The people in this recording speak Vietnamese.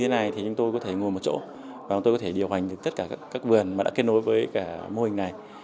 trước đây thì chúng tôi có thể ngồi một chỗ và chúng tôi có thể điều hành tất cả các vườn mà đã kết nối với mô hình này